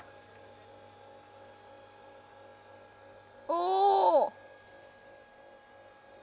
おお。